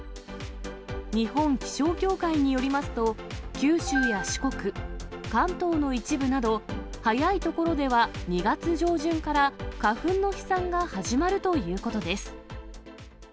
日本気象協会によりますと、九州や四国、関東の一部など、早い所では２月上旬から花粉の飛散が始まるということです。